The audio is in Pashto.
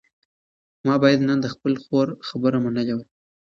ما باید نن د خپلې خور خبره منلې وای.